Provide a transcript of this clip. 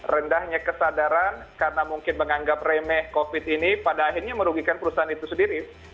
rendahnya kesadaran karena mungkin menganggap remeh covid ini pada akhirnya merugikan perusahaan itu sendiri